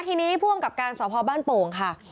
ทีนี้ภวกับการศาพบ้านโปงค่ะ